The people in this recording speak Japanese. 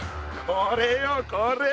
これよこれ！